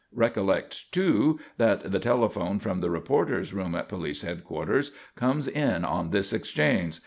Recollect, too, that the telephone from the reporters' room at police headquarters comes in on this exchange.